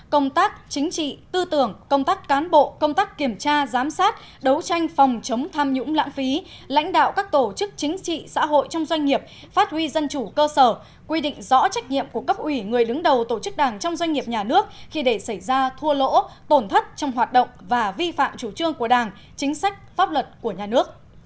tám công tác chính trị tư tưởng công tác cán bộ công tác kiểm tra giám sát đấu tranh phòng chống tham nhũng lãng phí lãnh đạo các tổ chức chính trị xã hội trong doanh nghiệp phát huy dân chủ cơ sở quy định rõ trách nhiệm của cấp ủy người lứng đầu tổ chức đảng trong doanh nghiệp nhà nước khi để xảy ra thua lỗ tổn thất trong hoạt động và vi phạm chủ trương của đảng chính sách pháp luật của nhà nước